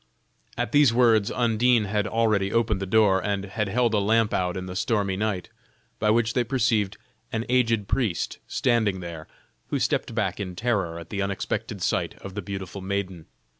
At these words, Undine had already opened the door, and had held a lamp out in the stormy night, by which they perceived an aged priest standing there, who stepped back in terror at the unexpected sight of the beautiful maiden.